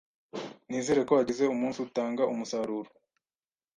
Nizere ko wagize umunsi utanga umusaruro.